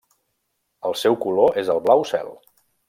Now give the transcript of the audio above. El seu color és el blau cel.